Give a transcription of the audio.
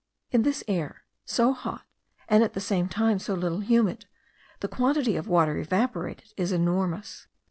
In this air, so hot, and at the same time so little humid, the quantity of water evaporated is enormous.